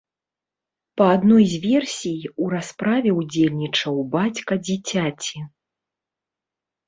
Па адной з версій, у расправе ўдзельнічаў бацька дзіцяці.